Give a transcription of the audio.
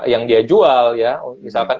yang dia jual ya misalkan